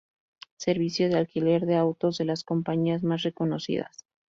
Servicio de alquiler de autos de las compañías más reconocidas.